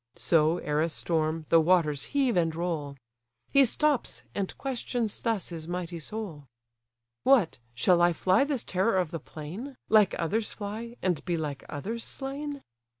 (So, ere a storm, the waters heave and roll.) He stops, and questions thus his mighty soul; "What, shall I fly this terror of the plain! Like others fly, and be like others slain?